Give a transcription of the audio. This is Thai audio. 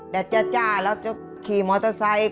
แต่จ้าเราจะขี่มอเตอร์ไซค์